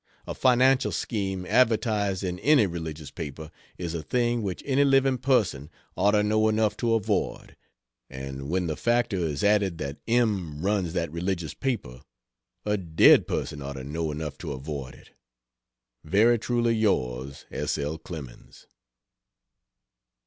A financial scheme advertised in any religious paper is a thing which any living person ought to know enough to avoid; and when the factor is added that M. runs that religious paper, a dead person ought to know enough to avoid it. Very Truly Yours S. L. CLEMENS.